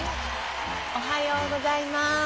おはようございます。